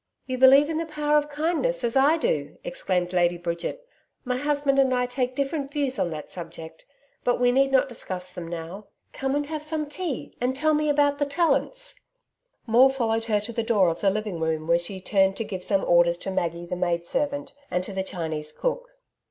'You believe in the power of kindness as I do,' exclaimed Lady Bridget. 'My husband and I take different views on that subject. But we need not discuss them now. Come and have some tea, and tell me about the Tallants.' Maule followed her to the door of the living room where she turned to give some orders to Maggie, the maid servant, and to the Chinese cook.